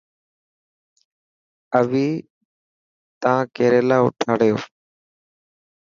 اوي تا ڪيريلا اوٺاڙيو.